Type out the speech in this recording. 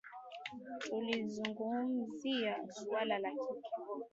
Tulizungumzia suala la kile